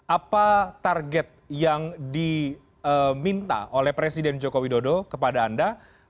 apa target yang diminta oleh presiden joko widodo kepada anda